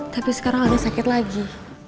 tapi sekarang ada sakit lagi